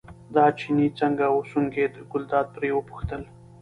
دا چيني څنګه وسونګېد، ګلداد پرې وپوښتل.